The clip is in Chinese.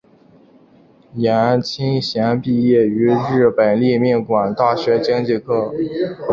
颜钦贤毕业于日本立命馆大学经济科。